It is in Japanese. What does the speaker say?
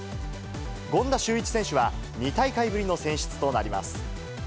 権田修一選手は２大会ぶりの選出となります。